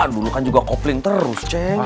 dulu kan juga kopling terus cek